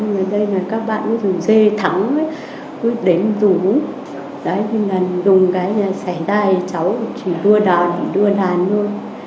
nhưng mà các bạn dù dê thắng dù đến rủ dùng cái xẻ đai cháu chỉ đưa đàn đưa đàn thôi